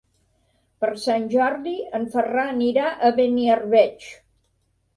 Per Sant Jordi en Ferran irà a Beniarbeig.